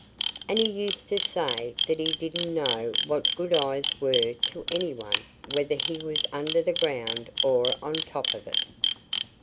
And he used to say that he didn't know what good eyes were to anyone whether he was under the ground or on top of it!